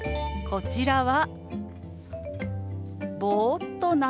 こちらは。